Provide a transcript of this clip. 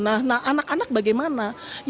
nah anak anak bagaimana